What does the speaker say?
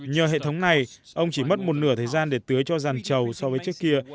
nhờ hệ thống này ông chỉ mất một nửa thời gian để tưới cho dàn trầu so với trước kia